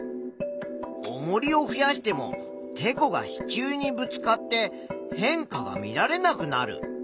おもりを増やしてもてこが支柱にぶつかって変化が見られなくなる。